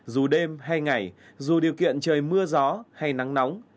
dù đêm hay ngày dù điều kiện trời mưa gió hay nắng nóng